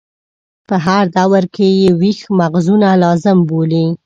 په هر دور کې یې ویښ مغزونه لازم بولي.